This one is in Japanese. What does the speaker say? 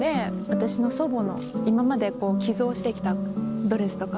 私の祖母の今まで寄贈してきたドレスとか。